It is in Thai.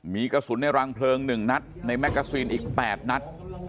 มีกระสุนในรังเพลิง๑นัดในแกซีนอีก๘นัด